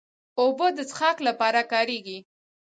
اوبه د څښاک لپاره کارېږي.